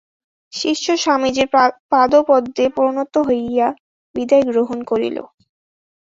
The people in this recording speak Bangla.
শিষ্য স্বামীজীর পাদপদ্মে প্রণত হইয়া বিদায় গ্রহণ করিল।